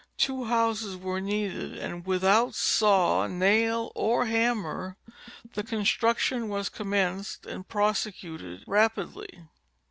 Two houses were needed and without saw, nail or hammer the construction was commenced and prosecuted rapidly.